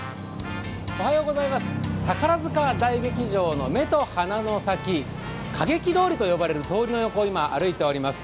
宝塚大劇場の目と鼻の先、歌劇通りと呼ばれる通りを歩いております。